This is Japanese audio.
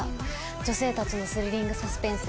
女性たちのスリリングサスペンス